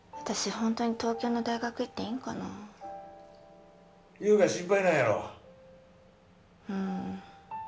ホントに東京の大学行っていいんかな優が心配なんやろうん